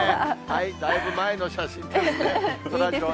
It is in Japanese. だいぶ前の写真ですね。